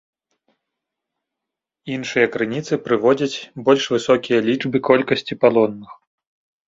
Іншыя крыніцы прыводзяць больш высокія лічбы колькасці палонных.